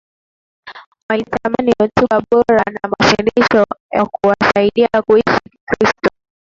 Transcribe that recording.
walitamani hotuba bora na mafundisho ya kuwasaidia kuishi Kikristo